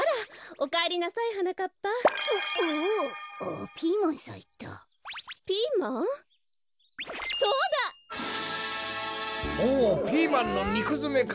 おっピーマンのにくづめか！